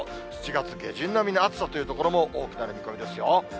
７月下旬並みの暑さという所も多くなる見込みですよ。